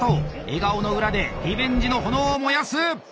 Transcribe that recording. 笑顔の裏でリベンジの炎を燃やす！